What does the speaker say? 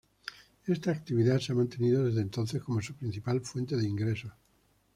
Esta actividad se ha mantenido desde entonces como su principal fuente de ingresos.